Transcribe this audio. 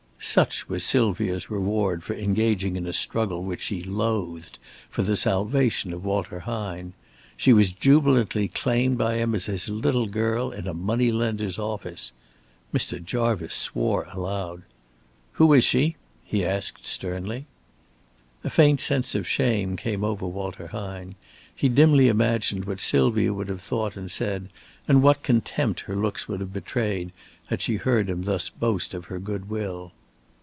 Such was Sylvia's reward for engaging in a struggle which she loathed for the salvation of Walter Hine. She was jubilantly claimed by him as his little girl in a money lender's office. Mr. Jarvice swore aloud. "Who is she?" he asked, sternly. A faint sense of shame came over Walter Hine. He dimly imagined what Sylvia would have thought and said, and what contempt her looks would have betrayed, had she heard him thus boast of her goodwill.